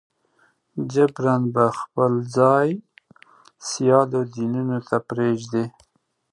جبراً به خپل ځای سیالو دینونو ته پرېږدي.